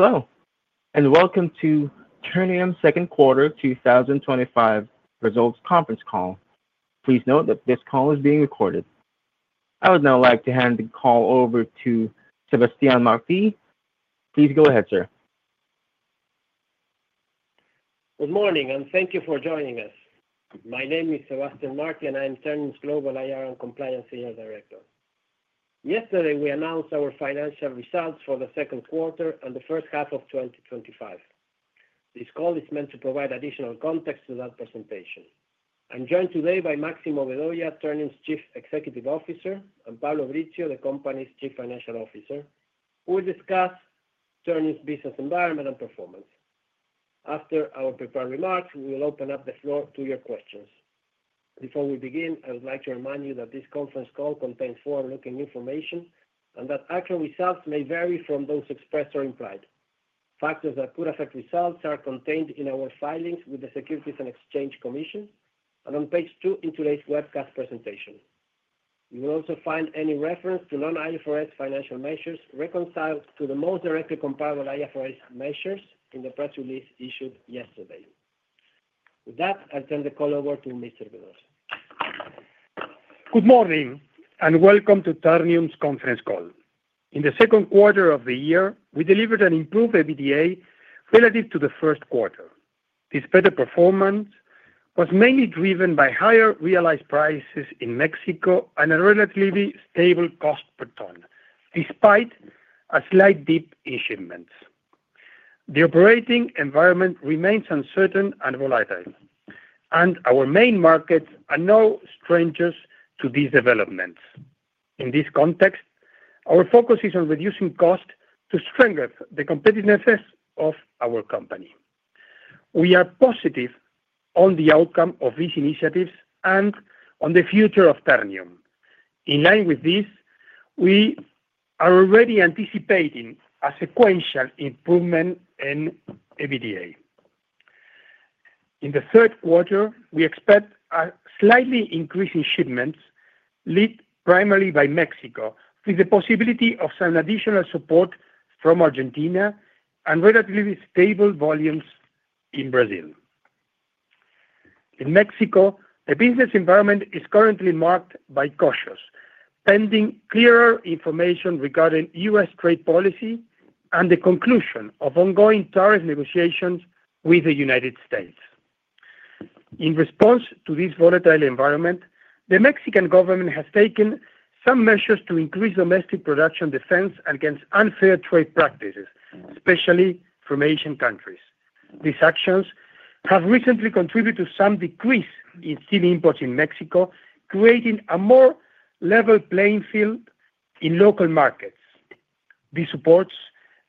Hello, and welcome to Ternium S.A. second quarter 2025 results conference call. Please note that this call is being recorded. I would now like to hand the call over to Sebastián Martí. Please go ahead, sir. Good morning, and thank you for joining us. My name is Sebastián Martí, and I am Ternium's Global IR and Compliance Senior Director. Yesterday, we announced our financial results for the second quarter and the first half of 2025. This call is meant to provide additional context to that presentation. I'm joined today by Máximo Vedoya, Ternium's Chief Executive Officer, and Pablo Brizzio, the company's Chief Financial Officer, who will discuss Ternium's business environment and performance. After our prepared remarks, we will open up the floor to your questions. Before we begin, I would like to remind you that this conference call contains forward-looking information and that actual results may vary from those expressed or implied. Factors that could affect results are contained in our filings with the Securities and Exchange Commission and on page two in today's webcast presentation. You will also find any reference to non-IFRS financial measures reconciled to the most directly comparable IFRS measures in the press release issued yesterday. With that, I'll turn the call over to Mr. Vedoya. Good morning, and welcome to Ternium's conference call. In the second quarter of the year, we delivered an improved EBITDA relative to the first quarter. This better performance was mainly driven by higher realized prices in Mexico and a relatively stable cost per ton, despite a slight dip in shipments. The operating environment remains uncertain and volatile, and our main markets are no strangers to these developments. In this context, our focus is on reducing costs to strengthen the competitiveness of our company. We are positive on the outcome of these initiatives and on the future of Ternium. In line with this, we are already anticipating a sequential improvement in EBITDA. In the third quarter, we expect a slight increase in shipments, led primarily by Mexico, with the possibility of some additional support from Argentina and relatively stable volumes in Brazil. In Mexico, the business environment is currently marked by caution, pending clearer information regarding U.S. trade policy and the conclusion of ongoing tariff negotiations with the United States. In response to this volatile environment, the Mexican government has taken some measures to increase domestic production defense against unfair trade practices, especially from Asian countries. These actions have recently contributed to some decrease in steel imports in Mexico, creating a more level playing field in local markets. This supports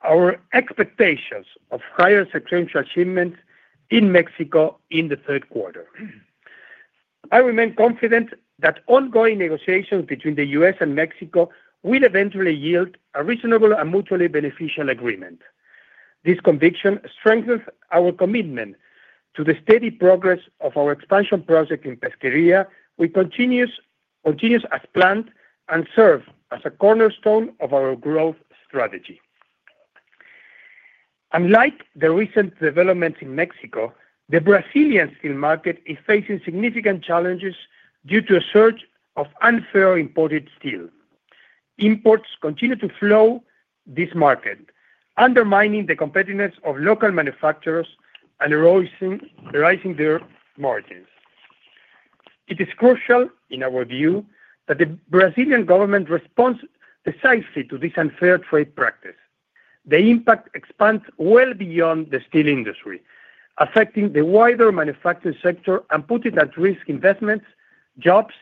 our expectations of higher sequential shipments in Mexico in the third quarter. I remain confident that ongoing negotiations between the U.S. and Mexico will eventually yield a reasonable and mutually beneficial agreement. This conviction strengthens our commitment to the steady progress of our expansion project in Pesqueria, which continues as planned and serves as a cornerstone of our growth strategy. Unlike the recent developments in Mexico, the Brazilian steel market is facing significant challenges due to a surge of unfair imported steel. Imports continue to flow to this market, undermining the competitiveness of local manufacturers and raising their margins. It is crucial, in our view, that the Brazilian government responds decisively to this unfair trade practice. The impact expands well beyond the steel industry, affecting the wider manufacturing sector and putting at risk investments, jobs,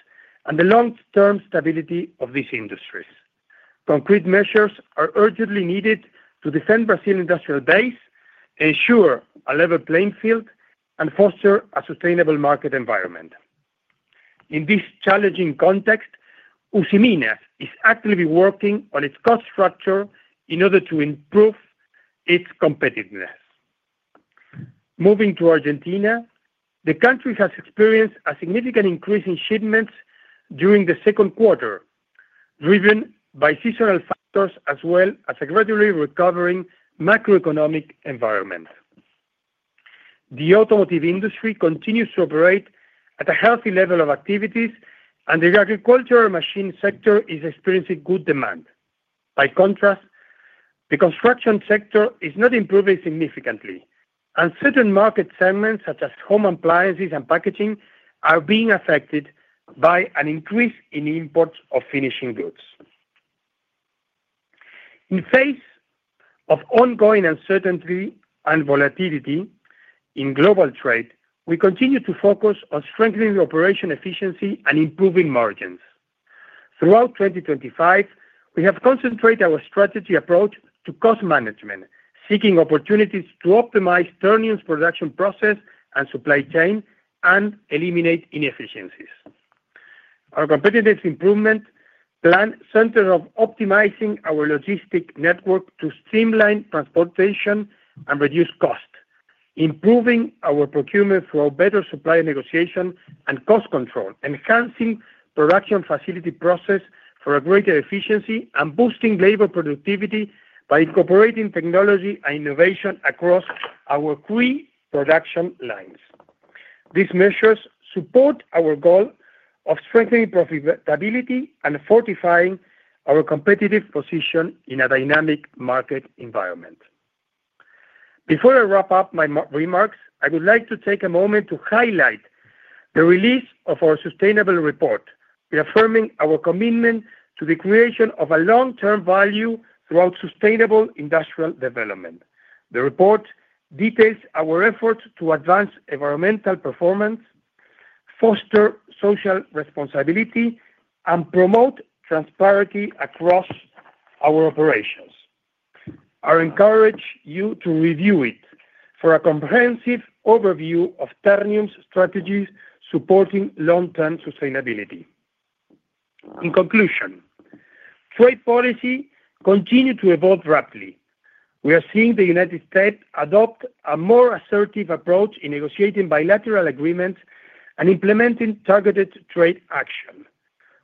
and the long-term stability of these industries. Concrete measures are urgently needed to defend Brazil's industrial base, ensure a level playing field, and foster a sustainable market environment. In this challenging context, Usiminas is actively working on its cost structure in order to improve its competitiveness. Moving to Argentina, the country has experienced a significant increase in shipments during the second quarter, driven by seasonal factors as well as a gradually recovering macroeconomic environment. The automotive industry continues to operate at a healthy level of activities, and the agricultural machine sector is experiencing good demand. By contrast, the construction sector is not improving significantly, and certain market segments such as home appliances and packaging are being affected by an increase in imports of finished goods. In the face of ongoing uncertainty and volatility in global trade, we continue to focus on strengthening the operation efficiency and improving margins. Throughout 2025, we have concentrated our strategy approach to cost management, seeking opportunities to optimize Ternium's production process and supply chain and eliminate inefficiencies. Our competitive improvement plan centers on optimizing our logistic network to streamline transportation and reduce costs, improving our procurement through better supplier negotiation and cost control, enhancing production facility process for greater efficiency, and boosting labor productivity by incorporating technology and innovation across our three production lines. These measures support our goal of strengthening profitability and fortifying our competitive position in a dynamic market environment. Before I wrap up my remarks, I would like to take a moment to highlight the release of our sustainability report, reaffirming our commitment to the creation of long-term value throughout sustainable industrial development. The report details our efforts to advance environmental performance, foster social responsibility, and promote transparency across our operations. I encourage you to review it for a comprehensive overview of Ternium's strategies supporting long-term sustainability. In conclusion, trade policy continues to evolve rapidly. We are seeing the U.S. adopt a more assertive approach in negotiating bilateral agreements and implementing targeted trade action.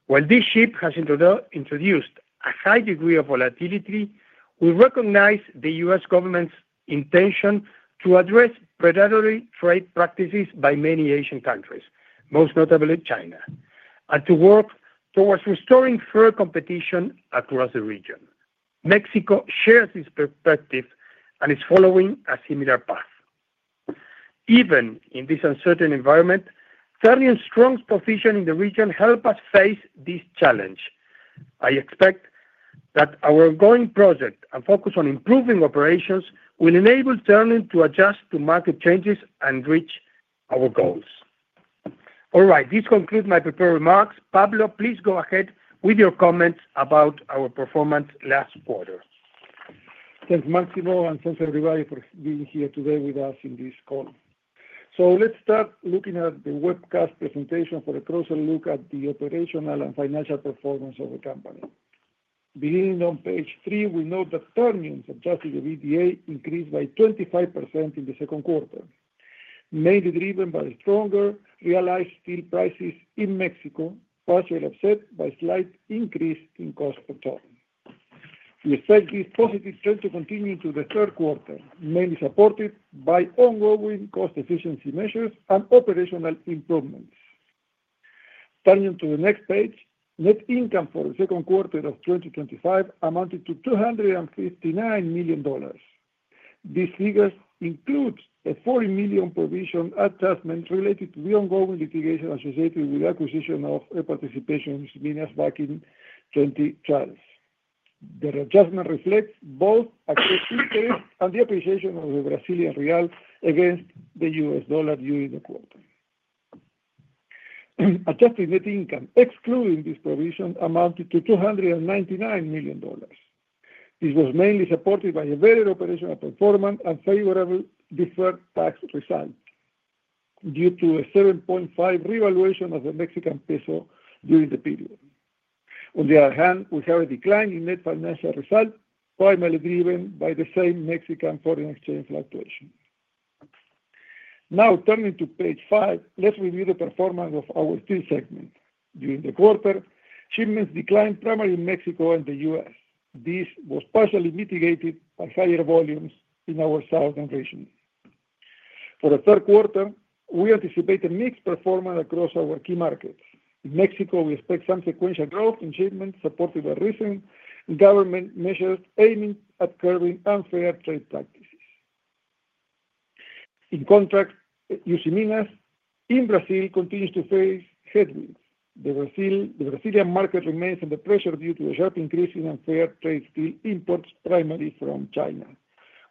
While this shift has introduced a high degree of volatility, we recognize the U.S. The government's intention to address predatory trade practices by many Asian countries, most notably China, and to work towards restoring fair competition across the region. Mexico shares this perspective and is following a similar path. Even in this uncertain environment, Ternium's strong position in the region helps us face this challenge. I expect that our ongoing project and focus on improving operations will enable Ternium to adjust to market changes and reach our goals. All right, this concludes my prepared remarks. Pablo, please go ahead with your comments about our performance last quarter. Thanks, Máximo, and thanks, everybody, for being here today with us in this call. Let's start looking at the webcast presentation for a closer look at the operational and financial performance of the company. Beginning on page three, we note that Ternium's adjusted EBITDA increased by 25% in the second quarter, mainly driven by stronger realized steel prices in Mexico, partially offset by a slight increase in cost per ton. We expect this positive trend to continue into the third quarter, mainly supported by ongoing cost efficiency measures and operational improvements. Turning to the next page, net income for the second quarter of 2025 amounted to $259 million. These figures include a $40 million provision adjustment related to the ongoing litigation associated with the acquisition of a participation in Usiminas back in 2012. The adjustment reflects both excess interest and the appreciation of the Brazilian real against the U.S. dollar during the quarter. Adjusted net income excluding this provision amounted to $299 million. This was mainly supported by a better operational performance and favorable deferred tax result due to a 7.5% revaluation of the Mexican peso during the period. On the other hand, we have a decline in net financial result, primarily driven by the same Mexican foreign exchange fluctuation. Now turning to page five, let's review the performance of our steel segment. During the quarter, shipments declined primarily in Mexico and the U.S. This was partially mitigated by higher volumes in our southern region. For the third quarter, we anticipate a mixed performance across our key markets. In Mexico, we expect some sequential growth in shipments, supported by recent government measures aiming at curbing unfair trade practices. In contrast, Usiminas in Brazil continues to face headwinds. The Brazilian market remains under pressure due to a sharp increase in unfair trade steel imports, primarily from China,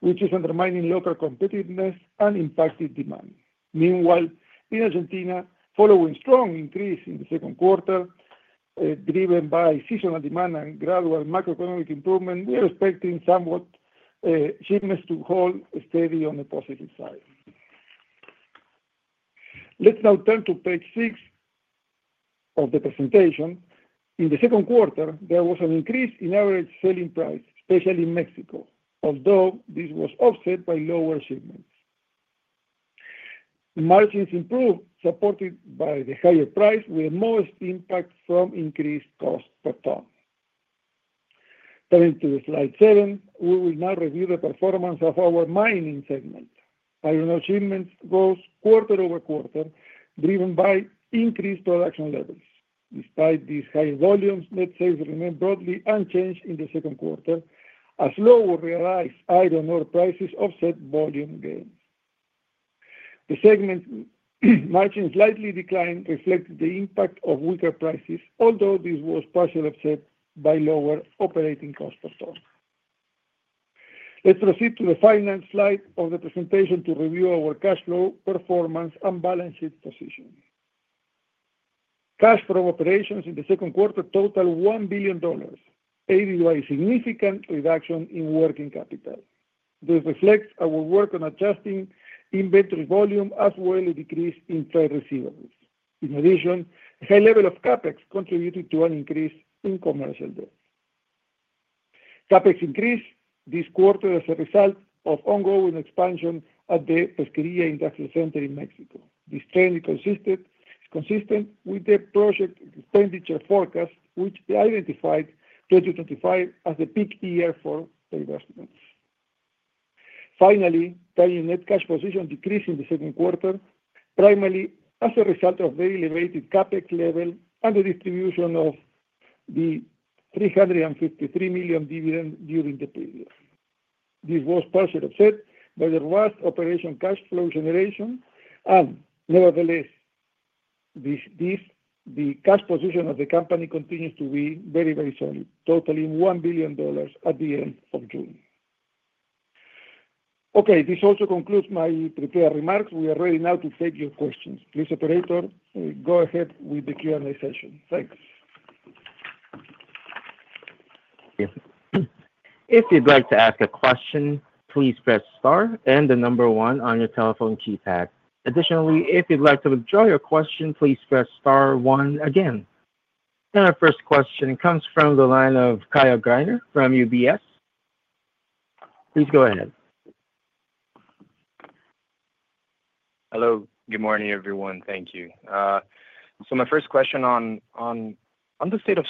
which is undermining local competitiveness and impacting demand. Meanwhile, in Argentina, following a strong increase in the second quarter, driven by seasonal demand and gradual macroeconomic improvement, we are expecting somewhat shipments to hold steady on the positive side. Let's now turn to page six of the presentation. In the second quarter, there was an increase in average selling price, especially in Mexico, although this was offset by lower shipments. Margins improved, supported by the higher price with the most impact from increased cost per ton. Turning to slide seven, we will now review the performance of our mining segment. Iron ore shipments rose quarter over quarter, driven by increased production levels. Despite these high volumes, net sales remain broadly unchanged in the second quarter, as lower realized iron ore prices offset volume gains. The segment margin slightly declined, reflecting the impact of weaker prices, although this was partially offset by lower operating costs per ton. Let's proceed to the finance slide of the presentation to review our cash flow performance and balance sheet position. Cash flow operations in the second quarter totaled $1 billion, aided by a significant reduction in working capital. This reflects our work on adjusting inventory volume, as well as a decrease in fair receivables. In addition, a high level of CAPEX contributed to an increase in commercial debt. CAPEX increased this quarter as a result of ongoing expansion at the Pesqueria Industrial Center in Mexico. This trend is consistent with the project expenditure forecast, which identified 2025 as the peak year for investments. Finally, Ternium's net cash position decreased in the second quarter, primarily as a result of the elevated CAPEX level and the distribution of the $353 million dividend during the period. This was partially offset by the raised operation cash flow generation, and nevertheless, the cash position of the company continues to be very, very strong, totaling $1 billion at the end of June. Okay, this also concludes my prepared remarks. We are ready now to take your questions. Please, operator, go ahead with the Q&A session. Thanks. If you'd like to ask a question, please press star and the number one on your telephone keypad. If you'd like to withdraw your question, please press star one again. Our first question comes from the line of Caio Greiner from UBS Investment Bank. Please go ahead. Hello. Good morning, everyone. Thank you. My first question is on the state of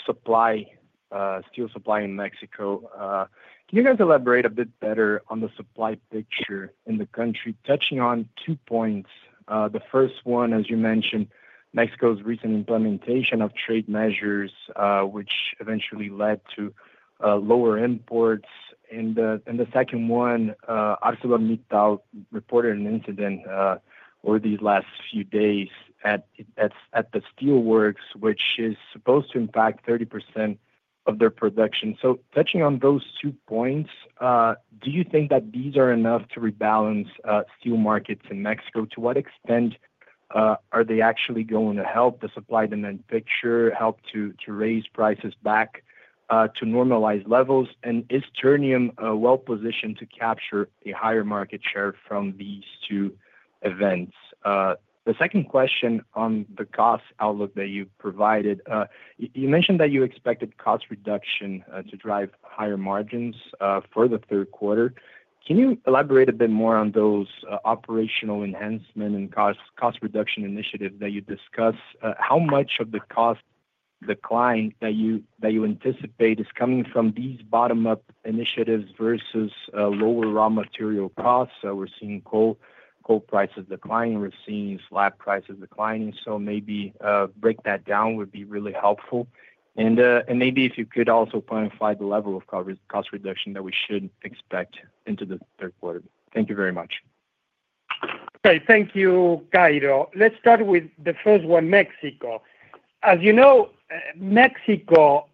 steel supply in Mexico. Can you guys elaborate a bit better on the supply picture in the country, touching on two points? The first one, as you mentioned, is Mexico's recent implementation of trade measures, which eventually led to lower imports. The second one, ArcelorMittal reported an incident over these last few days at the steelworks, which is supposed to impact 30% of their production. Touching on those two points, do you think that these are enough to rebalance steel markets in Mexico? To what extent are they actually going to help the supply-demand picture, help to raise prices back to normalized levels? Is Ternium well-positioned to capture a higher market share from these two events? The second question is on the cost outlook that you provided. You mentioned that you expected cost reduction to drive higher margins for the third quarter. Can you elaborate a bit more on those operational enhancement and cost reduction initiatives that you discussed? How much of the cost decline that you anticipate is coming from these bottom-up initiatives versus lower raw material costs? We're seeing coal prices declining. We're seeing slab prices declining. Maybe break that down, that would be really helpful. If you could also quantify the level of cost reduction that we should expect into the third quarter. Thank you very much. Okay. Thank you, Caio. Let's start with the first one, Mexico. As you know, Mexico,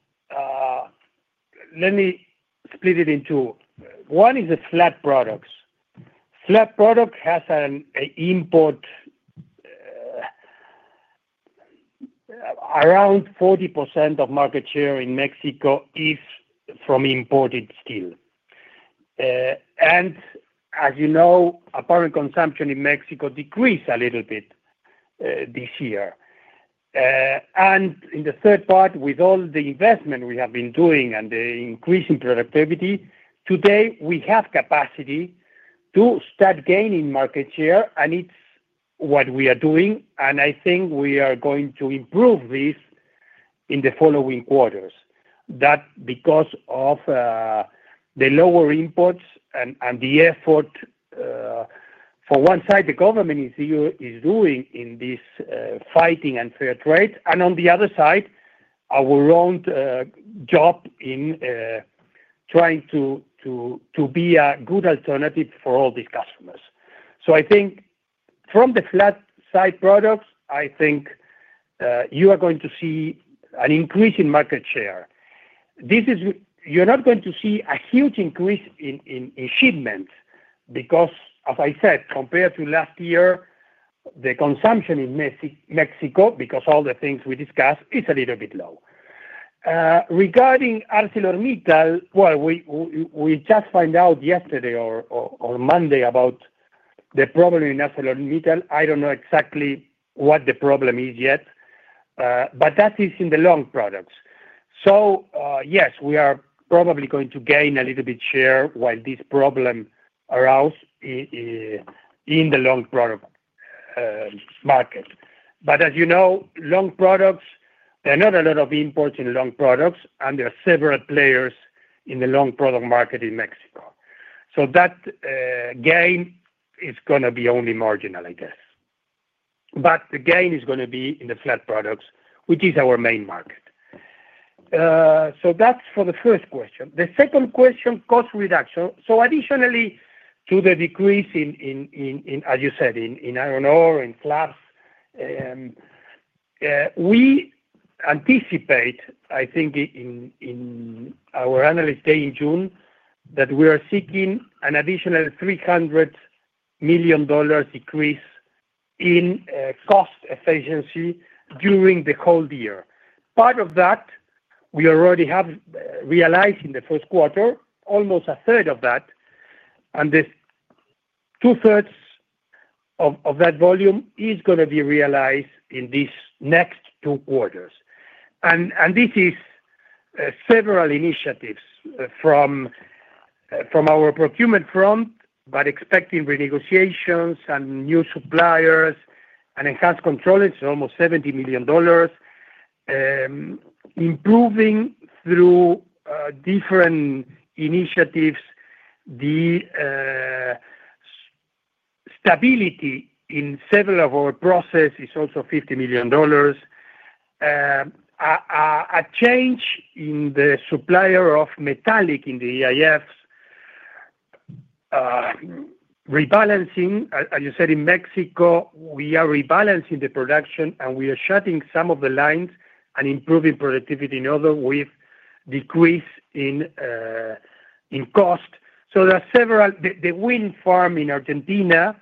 let me split it in two. One is the slab products. Slab products have an import of around 40% of market share in Mexico from imported steel. As you know, apparent consumption in Mexico decreased a little bit this year. In the third part, with all the investment we have been doing and the increasing productivity, today we have capacity to start gaining market share, and it's what we are doing. I think we are going to improve this in the following quarters. That's because of the lower imports and the effort, for one side, the government is doing in this, fighting unfair trade, and on the other side, our own job in trying to be a good alternative for all these customers. I think from the flat side products, you are going to see an increase in market share. You are not going to see a huge increase in shipments because, as I said, compared to last year, the consumption in Mexico, because of all the things we discussed, is a little bit low. Regarding ArcelorMittal, we just found out yesterday or Monday about the problem in ArcelorMittal. I don't know exactly what the problem is yet, but that is in the long products. Yes, we are probably going to gain a little bit of share while this problem arises in the long product market. As you know, long products, there are not a lot of imports in long products, and there are several players in the long product market in Mexico. That gain is going to be only marginal, I guess. The gain is going to be in the flat products, which is our main market. That's for the first question. The second question, cost reduction. Additionally to the decrease in, as you said, in iron ore, in slabs, we anticipate, I think, in our analysts' day in June, that we are seeking an additional $300 million increase in cost efficiency during the whole year. Part of that, we already have realized in the first quarter, almost a third of that, and the two-thirds of that volume is going to be realized in these next two quarters. This is several initiatives from our procurement front, but expecting renegotiations and new suppliers and enhanced control. It's almost $70 million, improving through different initiatives. The stability in several of our processes is also $50 million. A change in the supplier of metallic in the EAFs, rebalancing. As you said, in Mexico, we are rebalancing the production, and we are shutting some of the lines and improving productivity in others with a decrease in cost. There are several, the wind farm in Argentina,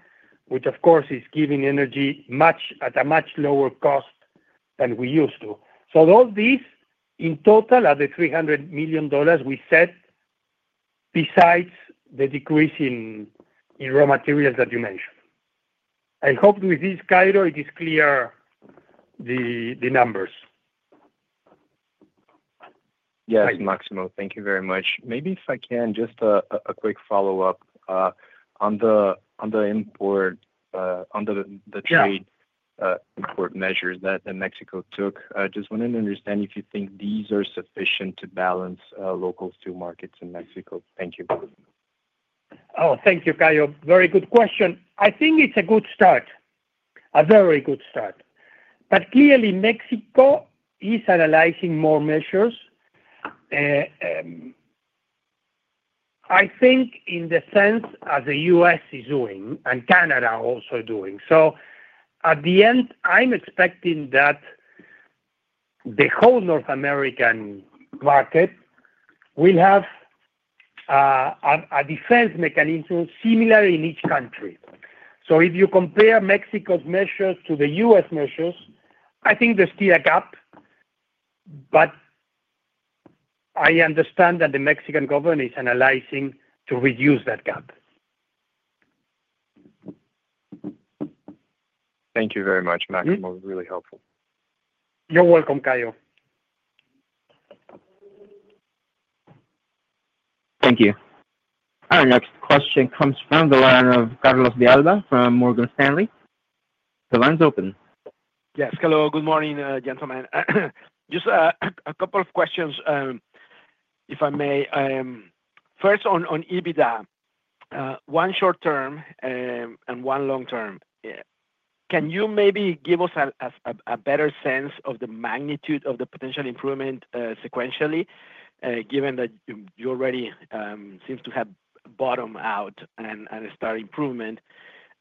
which, of course, is giving energy at a much lower cost than we used to. All these, in total, are the $300 million we set besides the decrease in raw materials that you mentioned. I hope with this, Caio, it is clear the numbers. Yes, Máximo, thank you very much. Maybe if I can, just a quick follow-up on the import, on the trade, import measures that Mexico took. I just wanted to understand if you think these are sufficient to balance local steel markets in Mexico. Thank you. Oh, thank you, Caio. Very good question. I think it's a good start, a very good start. Clearly, Mexico is analyzing more measures. I think in the sense as the U.S. is doing and Canada also doing. At the end, I'm expecting that the whole North American market will have a defense mechanism similar in each country. If you compare Mexico's measures to the U.S. measures, I think there's still a gap. I understand that the Mexican government is analyzing to reduce that gap. Thank you very much, Máximo. Really helpful. You're welcome, Caio. Thank you. Our next question comes from the line of Carlos De Alba from Morgan Stanley. The line's open. Yes. Hello. Good morning, gentlemen. Just a couple of questions, if I may. First, on EBITDA, one short-term and one long-term. Can you maybe give us a better sense of the magnitude of the potential improvement sequentially, given that you already seem to have bottomed out and started improvement?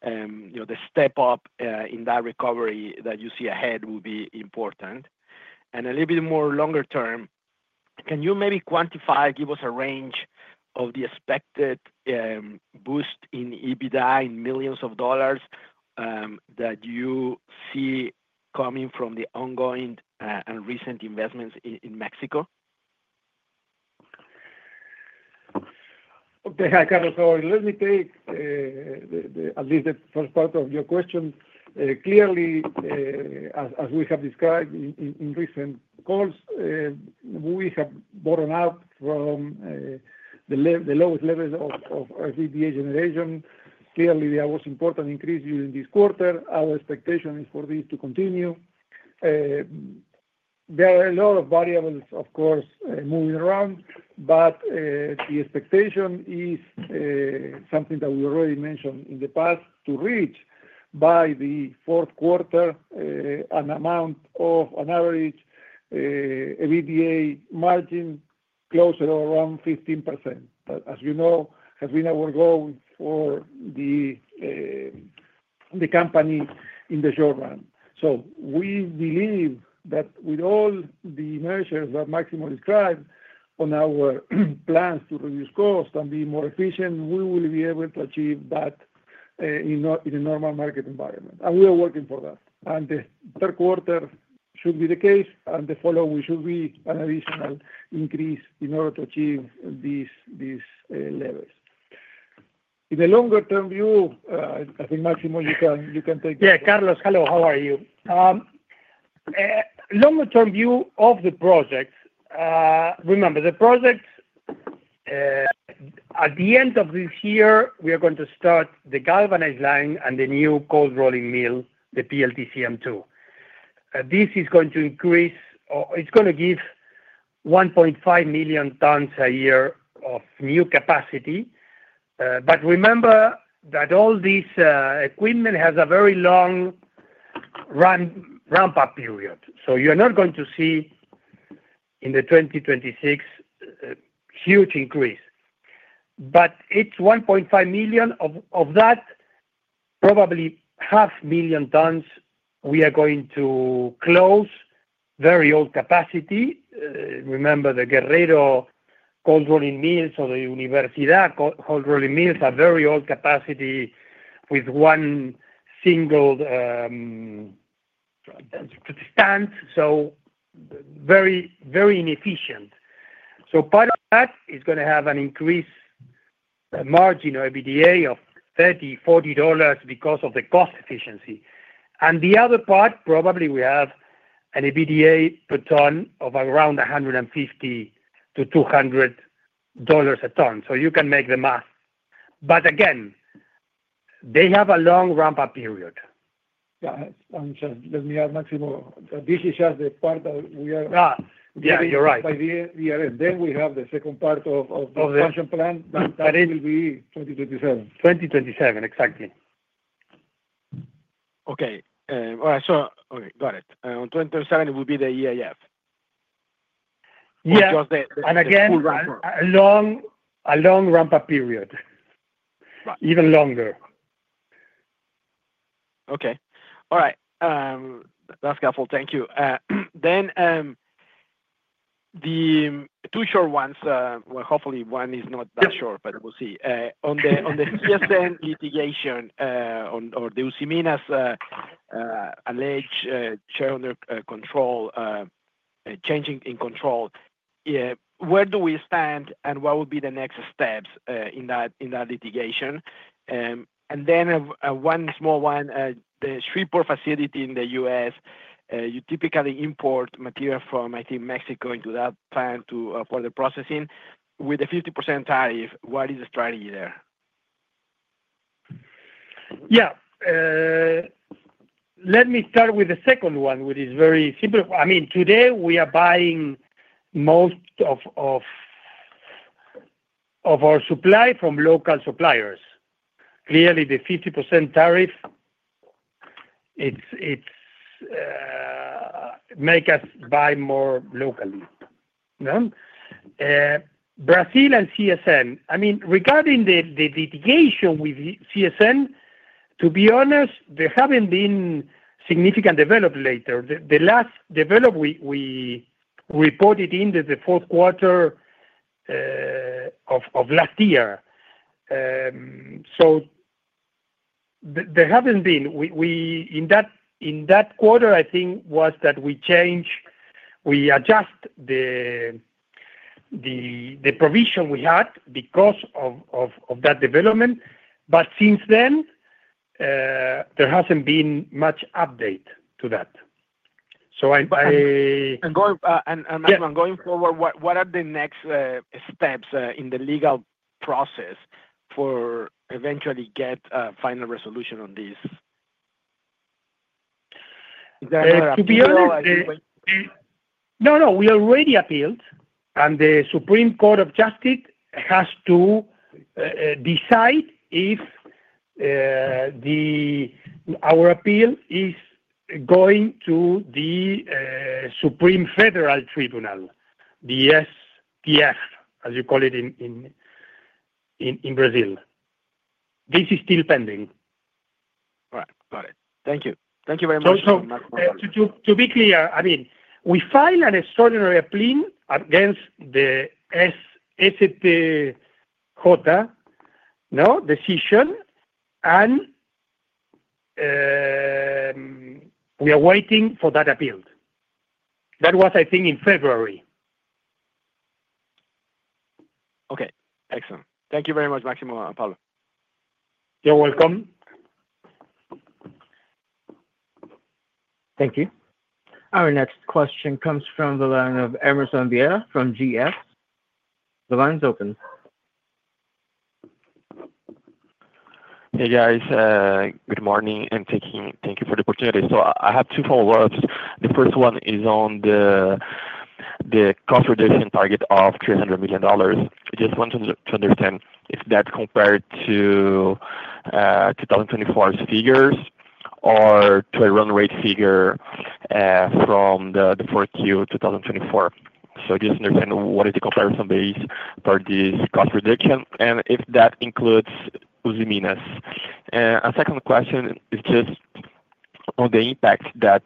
The step up in that recovery that you see ahead will be important. A little bit more longer-term, can you maybe quantify, give us a range of the expected boost in EBITDA in millions of dollars that you see coming from the ongoing and recent investments in Mexico? Okay, Carlos, let me take at least the first part of your question. Clearly, as we have described in recent calls, we have borrowed out from the lowest levels of EBITDA generation. There was an important increase during this quarter. Our expectation is for this to continue. There are a lot of variables, of course, moving around, but the expectation is something that we already mentioned in the past, to reach by the fourth quarter an amount of an average EBITDA margin closer to around 15%. As you know, it has been our goal for the company in the short run. We believe that with all the measures that Máximo described on our plans to reduce costs and be more efficient, we will be able to achieve that in a normal market environment. We are working for that. The third quarter should be the case, and the following should be an additional increase in order to achieve these levels. In the longer-term view, I think, Máximo, you can take it. Yeah, Carlos, hello. How are you? Longer-term view of the project. Remember, the project, at the end of this year, we are going to start the galvanized line and the new cold rolling mill, the PLTCM2. This is going to increase, or it's going to give $1.5 million tons a year of new capacity. Remember that all this equipment has a very long ramp-up period. You're not going to see in 2026 a huge increase. It's $1.5 million of that, probably half a million tons. We are going to close very old capacity. Remember the Guerrero cold rolling mills or the Universidad cold rolling mills are very old capacity with one single stand, so very, very inefficient. Part of that is going to have an increased margin of EBITDA of $30, $40 because of the cost efficiency. The other part, probably we have an EBITDA per ton of around $150 to $200 a ton. You can make the math. Again, they have a long ramp-up period. Yeah, I understand. Let me add, Máximo, this is just the part that we are. Yeah, you're right. By the EIF, we have the second part of the expansion plan. Oh, the. That will be 2027. 2027, exactly. All right. Got it. In 2027, it would be the EIF. Yeah. Just the full ramp-up. A long ramp-up period, even longer. Okay. All right. That's helpful. Thank you. The two short ones, hopefully, one is not that short, but we'll see. On the CSN litigation or the Usiminas alleged shareholder control changing in control, where do we stand and what will be the next steps in that litigation? One small one, the shipper facility in the U.S., you typically import material from, I think, Mexico into that plant for the processing with a 50% tariff. What is the strategy there? Yeah. Let me start with the second one, which is very simple. I mean, today, we are buying most of our supply from local suppliers. Clearly, the 50% tariff makes us buy more locally. Brazil and CSN, I mean, regarding the litigation with CSN, to be honest, there haven't been significant developments later. The last development we reported in the fourth quarter of last year. There haven't been. In that quarter, I think was that we changed, we adjusted the provision we had because of that development. Since then, there hasn't been much update to that. What are the next steps in the legal process for eventually getting a final resolution on this? To be honest, no, we already appealed, and the Supreme Court of Justice has to decide if our appeal is going to the Supreme Federal Tribunal, the STF, as you call it in Brazil. This is still pending. All right. Got it. Thank you. Thank you very much. To be clear, I mean, we filed an extraordinary plea against the STJ decision, and we are waiting for that appeal. That was, I think, in February. Okay. Excellent. Thank you very much, Máximo and Pablo. You're welcome. Thank you. Our next question comes from the line of Emerson Viera from Goldman Sachs. The line's open. Good morning and thank you for the opportunity. I have two follow-ups. The first one is on the cost reduction target of $300 million. I just want to understand if that's compared to 2024's figures or to a run rate figure from the fourth quarter 2024. I just want to understand what is the comparison base for this cost reduction and if that includes Usiminas. A second question is on the impact that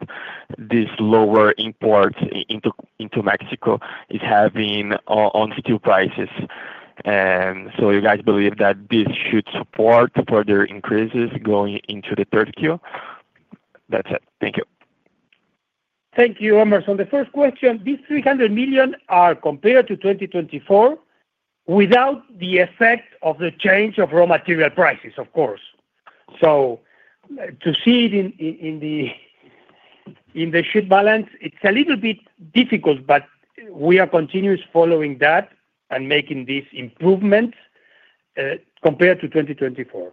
these lower imports into Mexico are having on steel prices. Do you believe that this should support further increases going into the third quarter? That's it. Thank you. Thank you, Emerson. The first question, these $300 million are compared to 2024 without the effect of the change of raw material prices, of course. To see it in the ship balance, it's a little bit difficult, but we are continuously following that and making these improvements compared to 2024.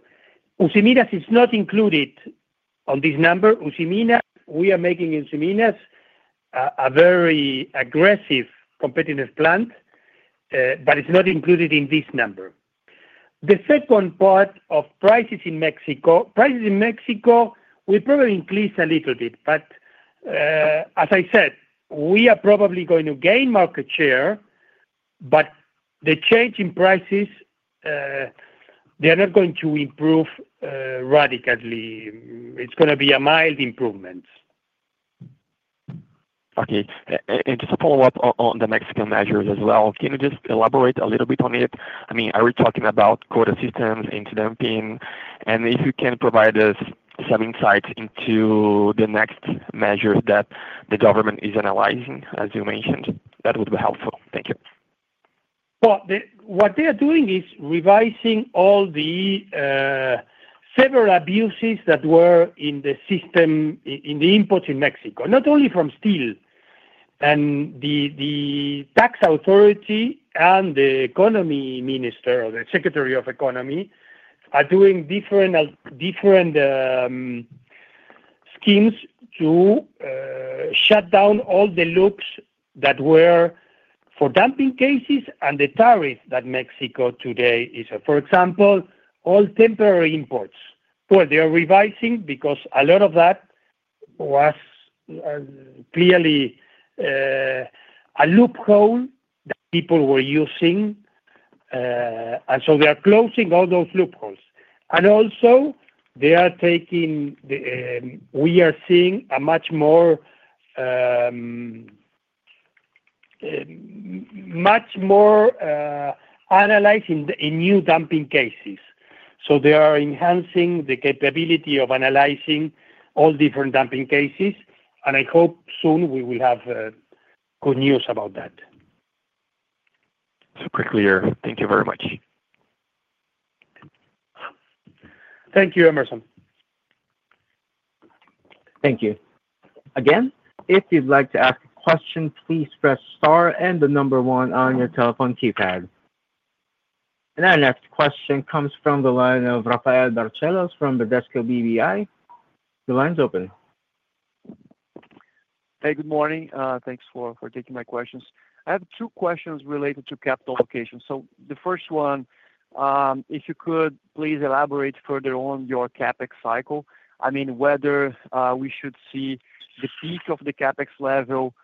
Usiminas is not included in this number. We are making Usiminas a very aggressive competitive plant, but it's not included in this number. The second part of prices in Mexico, prices in Mexico will probably increase a little bit. As I said, we are probably going to gain market share, but the change in prices, they are not going to improve radically. It's going to be a mild improvement. Okay. Just a follow-up on the Mexican measures as well. Can you just elaborate a little bit on it? I mean, are we talking about quota systems, incident pin? If you can provide us some insights into the next measures that the government is analyzing, as you mentioned, that would be helpful. Thank you. They are revising all the federal abuses that were in the system, in the imports in Mexico, not only from steel. The tax authority and the Secretary of Economy are doing different schemes to shut down all the loops that were for dumping cases and the tariffs that Mexico today is. For example, all temporary imports are being revised because a lot of that was clearly a loophole that people were using. They are closing all those loopholes. We are seeing much more analyzing in new dumping cases. They are enhancing the capability of analyzing all different dumping cases. I hope soon we will have good news about that. Thank you very much. Thank you, Emerson. Thank you. Again, if you'd like to ask a question, please press star and the number one on your telephone keypad. Our next question comes from the line of Rafael Barcellos from Banco Bradesco BBI S.A. The line's open. Hey, good morning. Thanks for taking my questions. I have two questions related to capital allocation. The first one, if you could please elaborate further on your CAPEX cycle. I mean, whether we should see the peak of the CAPEX level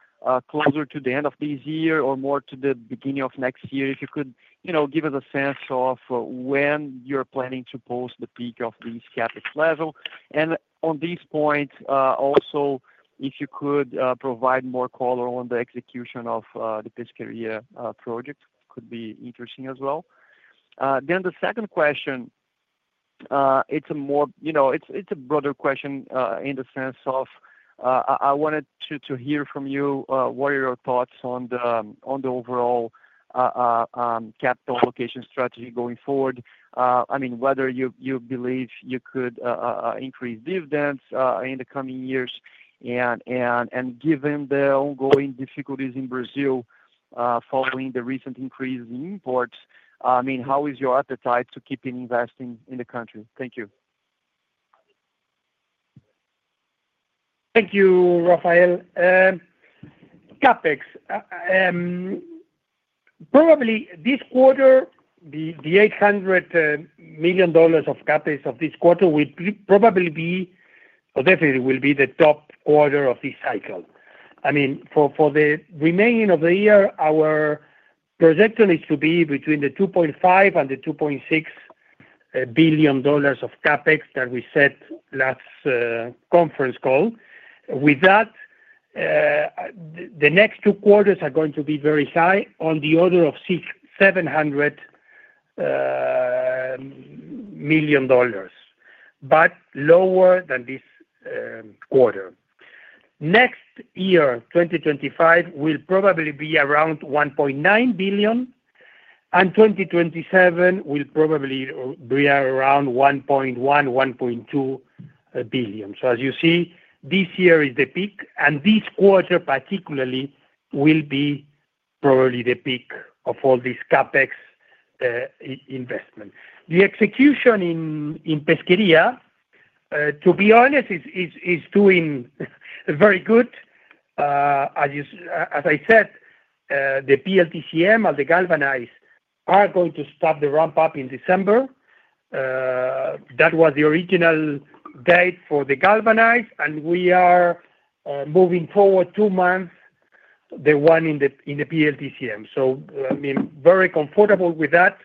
closer to the end of this year or more to the beginning of next year. If you could give us a sense of when you're planning to post the peak of this CAPEX level. On this point, also, if you could provide more color on the execution of the Pesqueria project, it could be interesting as well. The second question, it's a more, you know, it's a broader question in the sense of I wanted to hear from you, what are your thoughts on the overall capital allocation strategy going forward. I mean, whether you believe you could increase dividends in the coming years. Given the ongoing difficulties in Brazil following the recent increase in imports, how is your appetite to keep investing in the country? Thank you. Thank you, Rafael. CAPEX, probably this quarter, the $800 million of CAPEX of this quarter will probably be, or definitely will be, the top quarter of this cycle. I mean, for the remaining of the year, our projection is to be between the $2.5 and the $2.6 billion of CAPEX that we set last conference call. With that, the next two quarters are going to be very high, on the order of $700 million, but lower than this quarter. Next year, 2025, will probably be around $1.9 billion, and 2027 will probably be around $1.1, $1.2 billion. As you see, this year is the peak, and this quarter particularly will be probably the peak of all this CAPEX investment. The execution in Pesqueria, to be honest, is doing very good. As I said, the PLTCM or the galvanized are going to start the ramp-up in December. That was the original date for the galvanized, and we are moving forward two months, the one in the PLTCM. I'm very comfortable with that.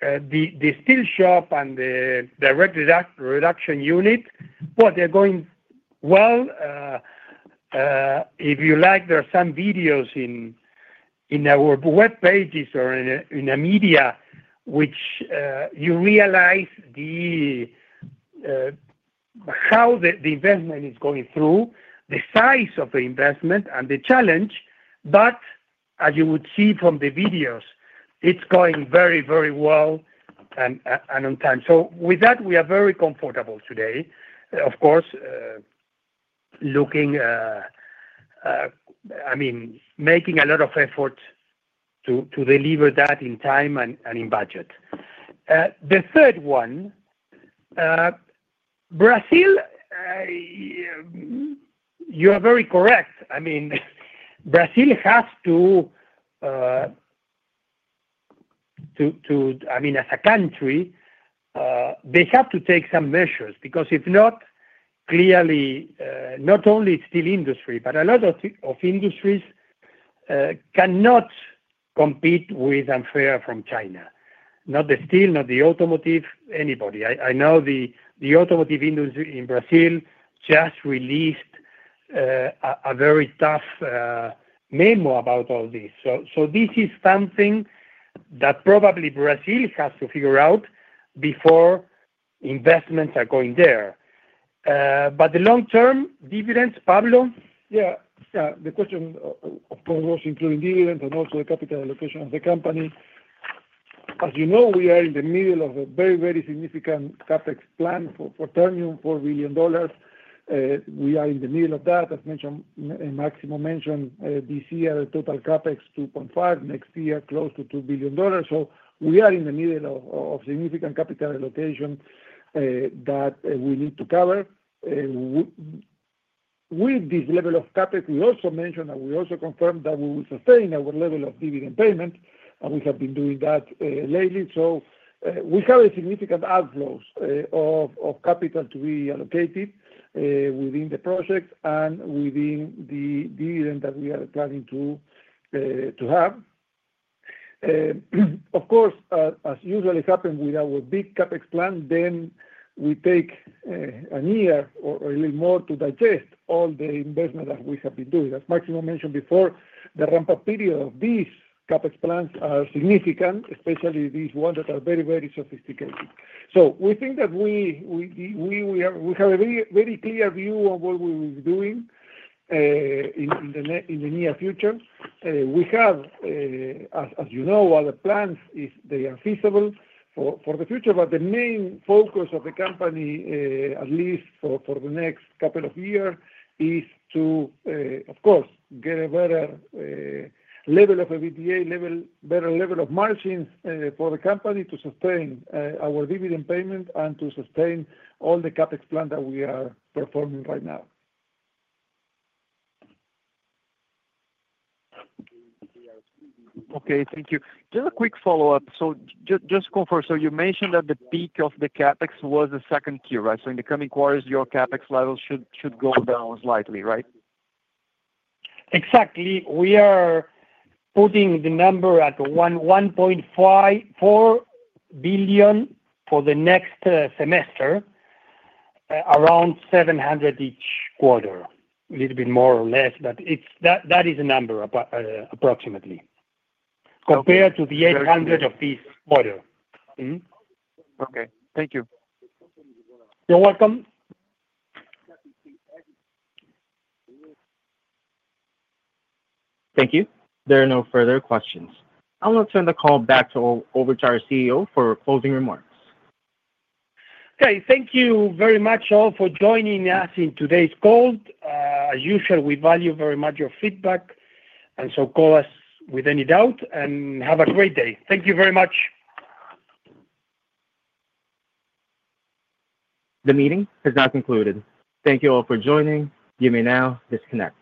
The steel shop and the direct reduction unit, they're going well. If you like, there are some videos in our web pages or in the media which you realize how the investment is going through, the size of the investment, and the challenge. As you would see from the videos, it's going very, very well and on time. With that, we are very comfortable today. Of course, looking, I mean, making a lot of effort to deliver that in time and in budget. The third one, Brazil, you are very correct. Brazil has to, I mean, as a country, they have to take some measures because if not, clearly, not only steel industry, but a lot of industries cannot compete with unfair from China. Not the steel, not the automotive, anybody. I know the automotive industry in Brazil just released a very tough memo about all this. This is something that probably Brazil has to figure out before investments are going there. The long-term dividends, Pablo? Yeah. Yeah. The question, of course, was including dividends and also the capital allocation of the company. As you know, we are in the middle of a very, very significant CAPEX plan for Ternium, $4 billion. We are in the middle of that. As Máximo mentioned, this year, the total CAPEX is $2.5 billion. Next year, close to $2 billion. We are in the middle of significant capital allocation that we need to cover. With this level of CAPEX, we also mentioned that we also confirmed that we will sustain our level of dividend payment, and we have been doing that lately. We have a significant outflow of capital to be allocated within the project and within the dividend that we are planning to have. Of course, as usually happens with our big CAPEX plan, then we take a year or a little more to digest all the investment that we have been doing. As Máximo mentioned before, the ramp-up period of these CAPEX plans is significant, especially these ones that are very, very sophisticated. We think that we have a very, very clear view of what we will be doing in the near future. We have, as you know, other plans if they are feasible for the future. The main focus of the company, at least for the next couple of years, is to, of course, get a better level of EBITDA, a better level of margins for the company to sustain our dividend payment and to sustain all the CAPEX plans that we are performing right now. Okay. Thank you. Just a quick follow-up. Just to confirm, you mentioned that the peak of the CAPEX was the second quarter, right? In the coming quarters, your CAPEX levels should go down slightly, right? Exactly. We are putting the number at $1.54 billion for the next semester, around $700 million each quarter, a little bit more or less. That is a number, approximately, compared to the $800 million of this quarter. Okay, thank you. You're welcome. Thank you. There are no further questions. I'll now turn the call back over to our CEO for closing remarks. Okay. Thank you very much all for joining us in today's call. As usual, we value very much your feedback. Please call us with any doubt, and have a great day. Thank you very much. The meeting has now concluded. Thank you all for joining. You may now disconnect.